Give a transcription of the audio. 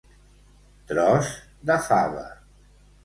Tros de fava.